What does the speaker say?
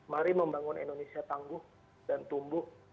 mari membangun indonesia tangguh dan tumbuh